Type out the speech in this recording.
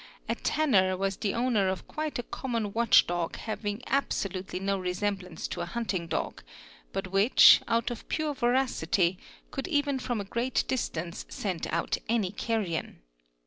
A tanner was the owner of quite a common watch dog having absolutely no resemblance to a hunting dog but which—out of pure voracity—could even from a great distance scent out any carrion.